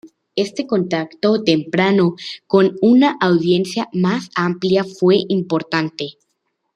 Ese contacto temprano con una audiencia más amplia fue muy importante.